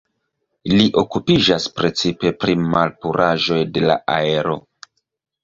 Li okupiĝas precipe pri malpuraĵoj de la aero.